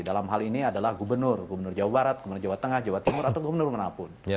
dalam hal ini adalah gubernur gubernur jawa barat gubernur jawa tengah jawa timur atau gubernur manapun